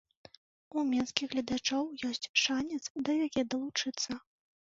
У менскіх гледачоў ёсць шанец да яе далучыцца.